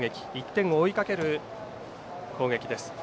１点を追いかける攻撃です。